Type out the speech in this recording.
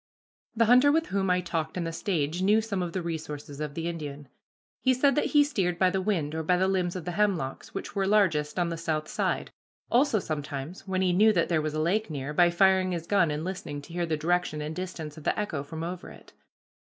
The hunter with whom I talked in the stage knew some of the resources of the Indian. He said that he steered by the wind, or by the limbs of the hemlocks, which were largest on the south side; also sometimes, when he knew that there was a lake near, by firing his gun and listening to hear the direction and distance of the echo from over it.